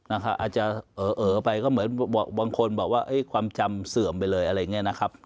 อาจจะเอ่อไปก็เหมือนบางคนบอกว่าความจำเสื่อมไปเลยอะไรอย่างนี้นะครับ